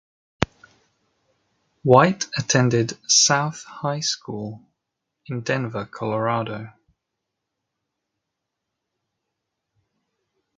White attended South High School in Denver, Colorado.